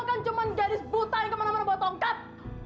lo kan cuma gadis buta yang kemana mana bawa tongkat